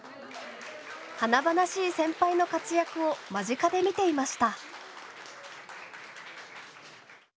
華々しい先輩の活躍を間近で見ていました。